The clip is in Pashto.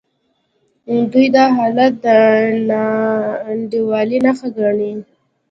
دوی دا حالت د ناانډولۍ نښه ګڼي.